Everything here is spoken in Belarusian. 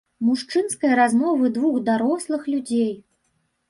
Мужчынскай размовы двух дарослых людзей.